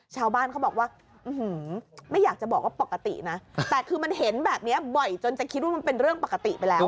ชาวบ้านเขาบอกว่าไม่อยากจะบอกว่าปกตินะแต่คือมันเห็นแบบนี้บ่อยจนจะคิดว่ามันเป็นเรื่องปกติไปแล้ว